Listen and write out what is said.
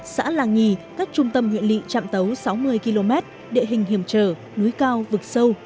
xã làng nhì cách trung tâm huyện lị trạm tấu sáu mươi km địa hình hiểm trở núi cao vực sâu